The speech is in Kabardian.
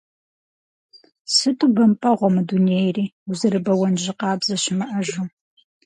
Сыту бэмпӏэгъуэ мы дунейри, узэрыбэуэн жьы къабзэ щымыӏэжу…